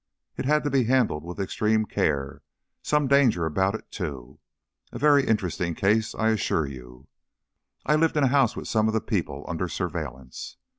It had to be handled with extreme care some danger about it, too. A very interesting case, I assure you. I lived in a house with some of the people under surveillance.